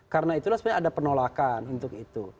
karena itulah sebenarnya ada penolakan untuk itu